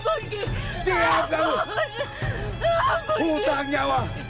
terima kasih dan lagi maaf penyayang